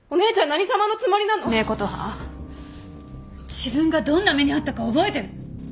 自分がどんな目に遭ったか覚えてる？